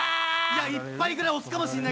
１牌ぐらい押すかもしれない。